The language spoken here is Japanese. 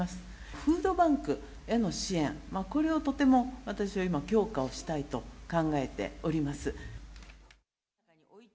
フードバンクへの支援、これをとても私は今、強化をしたいと考えております。